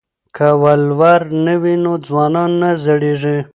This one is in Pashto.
که ولور نه وي نو ځوان نه زړیږي.